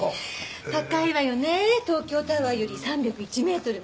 高いわよね東京タワーより３０１メートルも。